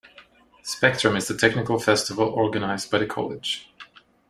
Spectrum is the technical festival organized by the college.